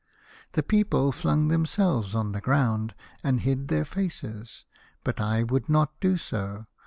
The people flung themselves on the ground and hid their faces, but I would not do so.